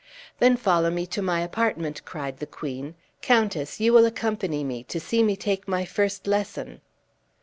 "Then follow me to my apartment," cried the queen; "countess, you will accompany me, to see me take my first lesson."